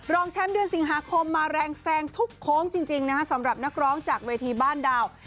รองแชมป์เดือนสิงหาคมมาแรงแซงทุกโค้งจริงนะฮะสำหรับนักร้องจากเวทีบ้านดาว